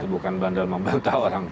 itu bukan bandel membantah orang